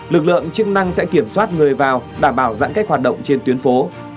lực lượng chức năng sẽ kiểm soát người vào đảm bảo giãn cách hoạt động trên tuyến phố